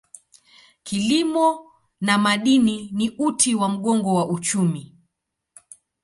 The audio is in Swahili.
Kilimo na madini ni uti wa mgongo wa uchumi.